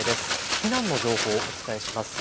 避難の情報をお伝えします。